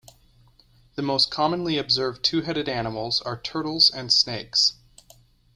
The most commonly observed two-headed animals are turtles and snakes.